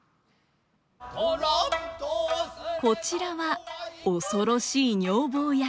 こちらは恐ろしい女房役。